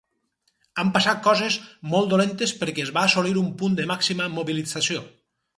Han passat coses molt dolentes perquè es va assolir un punt de màxima mobilització.